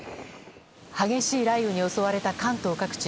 激しい雷雨に襲われた関東各地。